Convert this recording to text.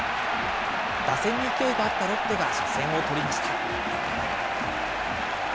打線に勢いがあったロッテが初戦を取りました。